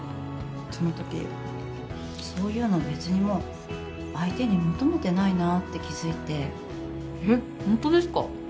その時そういうの別にもう相手に求めてないなって気づいてえっホントですか？